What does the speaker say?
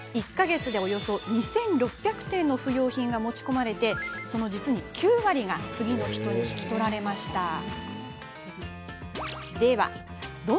１か月で、およそ２６００点の不要品が持ち込まれその９割が次の人に引き取られました。